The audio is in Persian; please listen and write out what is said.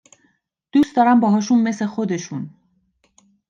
دوست دارم باهاشون مث خودشون